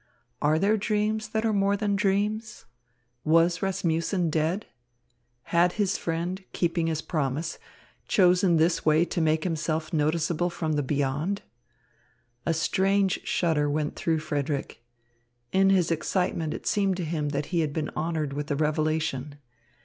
Are there dreams that are more than dreams? Was Rasmussen dead? Had his friend, keeping his promise, chosen this way to make himself noticeable from the Beyond? A strange shudder went through Frederick. In his excitement it seemed to him that he had been honoured with a revelation.